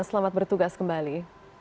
selamat bertugas kembali